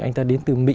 anh ta đến từ mỹ